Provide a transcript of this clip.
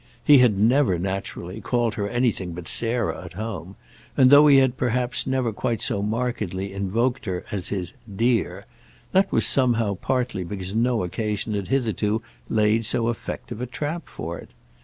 He had never, naturally, called her anything but Sarah at home, and though he had perhaps never quite so markedly invoked her as his "dear," that was somehow partly because no occasion had hitherto laid so effective a trap for it.